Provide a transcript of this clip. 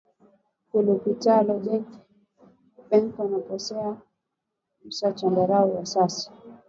Kulupitalo beko napokeza ma chandarua ya sasa